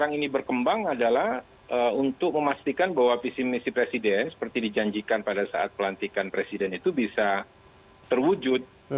yang ini berkembang adalah untuk memastikan bahwa visi misi presiden seperti dijanjikan pada saat pelantikan presiden itu bisa terwujud